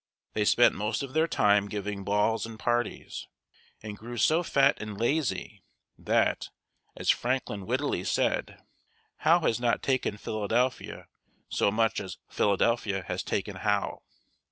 They spent most of their time giving balls and parties, and grew so fat and lazy that, as Franklin wittily said, "Howe has not taken Philadelphia so much as Philadelphia has taken Howe."